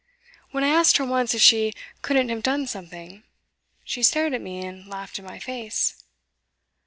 When I asked her once if she couldn't have done something, she stared at me and laughed in my face.